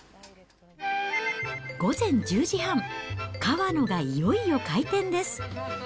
午前１０時半、かわのがいよいよ開店です。